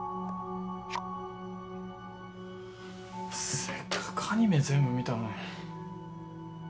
せっかくアニメ全部見たのに。